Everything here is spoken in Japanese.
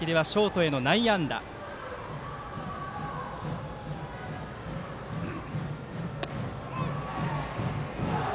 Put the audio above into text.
第１打席ではショートへの内野安打。